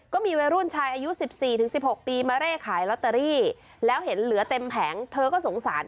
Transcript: ก็มีวัยรุ่นชายอายุ๑๔๑๖ปีมาเร่ขายลอตเตอรี่แล้วเห็นเหลือเต็มแผงเธอก็สงสาร